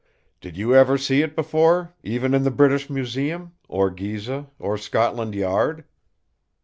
Did you ever see it before; even in the British Museum, or Gizeh, or Scotland Yard?"